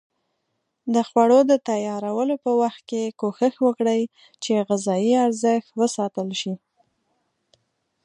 د خوړو د تیارولو په وخت کې کوښښ وکړئ چې غذایي ارزښت وساتل شي.